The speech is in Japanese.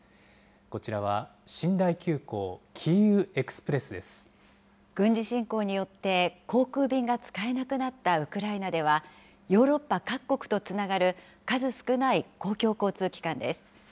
こちらは寝台急行、軍事侵攻によって航空便が使えなくなったウクライナでは、ヨーロッパ各国とつながる数少ない公共交通機関です。